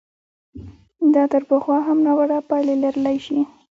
دا تر پخوا هم ناوړه پایلې لرلای شي.